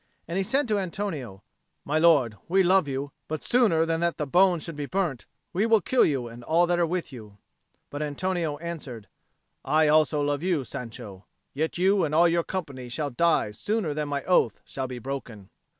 And he said to Antonio, "My lord, we love you; but sooner than that the bones should be burnt, we will kill you and all that are with you." But Antonio answered, "I also love you, Sancho; yet you and all your company shall die sooner than my oath shall be broken."